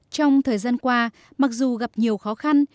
trong thời gian qua mặc dù gặp nhiều khó khăn